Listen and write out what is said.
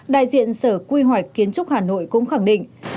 đại diện sở quy hoạch kiến trúc hà nội cũng khẳng định